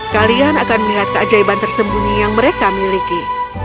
kalian akan melihat keajaiban tersembunyi yang mereka miliki